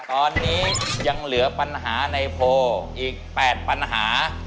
ตอนนี้ยังเหลือปัญหาในโพลอีก๘ปัญหา